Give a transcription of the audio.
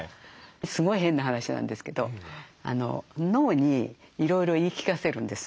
すごい変な話なんですけど脳にいろいろ言い聞かせるんですね